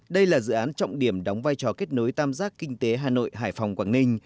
đây là dự án trọng điểm đóng vai trò kết nối tam giác kinh tế hà nội hải phòng quảng ninh